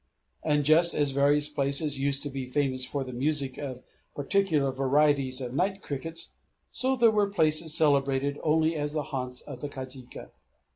And just as various places used to be famous for the music of particular varieties of night crickets, so there were places celebrated only as haunts of the kajika.